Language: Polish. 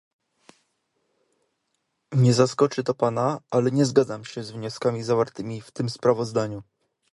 Nie zaskoczy to pana, ale nie zgadzam się z wnioskami zawartymi w tym sprawozdaniu